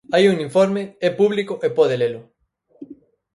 Hai un informe, é público e pode lelo.